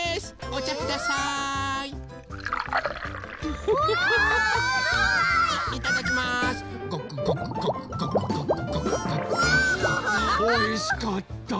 おいしかった！